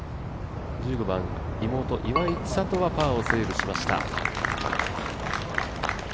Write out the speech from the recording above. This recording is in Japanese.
１５番、妹・岩井千怜がパーをセーブしました。